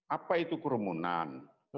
apa itu kerumunan